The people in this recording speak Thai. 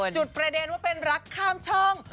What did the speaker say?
จุดประเด็นว่าเป็นรักข้ามช่อง